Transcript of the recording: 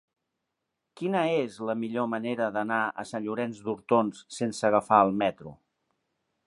Quina és la millor manera d'anar a Sant Llorenç d'Hortons sense agafar el metro?